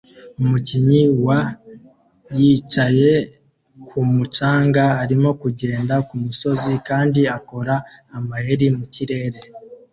Umukinnyi wa yicaye kumu canga arimo kugenda kumusozi kandi akora amayeri mukirere